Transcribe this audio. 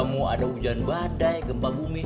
mau ada hujan badai gempa bumi